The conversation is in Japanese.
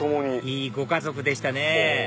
いいご家族でしたね